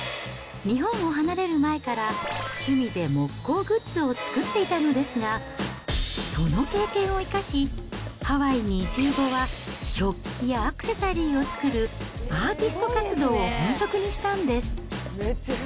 日本を離れる前から、趣味で木工グッズを作っていたのですが、その経験を生かし、ハワイに移住後は、食器やアクセサリーを作るアーティスト活動を本職にしたんです。